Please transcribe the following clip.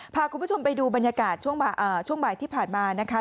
พาคุณผู้ชมไปดูบรรยากาศช่วงบ่ายที่ผ่านมานะคะ